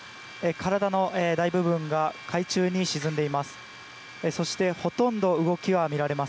体の大部分が海中に沈んでいます。